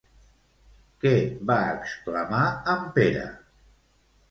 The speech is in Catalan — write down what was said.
Què va exclamar en Pere?